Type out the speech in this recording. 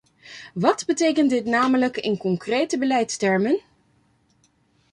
Wat betekent dit namelijk in concrete beleidstermen?